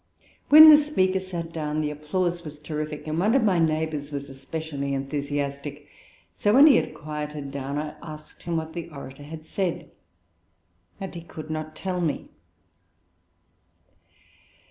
When the speaker sat down the applause was terrific and one of my neighbours was especially enthusiastic. So when he had quieted down, I asked him what the orator had said. And he could not tell me.